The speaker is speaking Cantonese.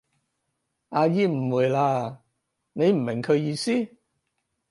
阿姨誤會喇，你唔明佢意思？